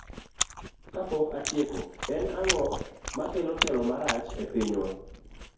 Kapok atieko, en ang'o makelo telo marach e pinywa?